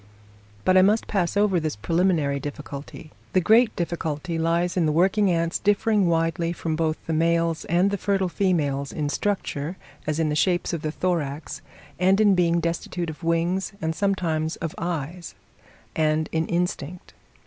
But I must pass over this preliminary difficulty. The great difficulty lies in the working ants differing widely from both the males and the fertile females in structure, as in the shape of the thorax, and in being destitute of wings and sometimes of eyes, and in instinct.